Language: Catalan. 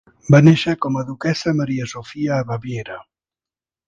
Va néixer com a duquessa Maria Sofia a Baviera.